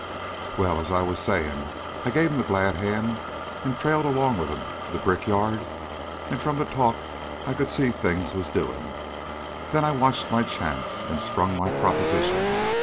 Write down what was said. "Well, as I was sayin', I gave 'm the glad hand, an' trailed along with 'em to the brickyard, an' from the talk I could see things was doin'. Then I watched my chance an' sprung my proposition.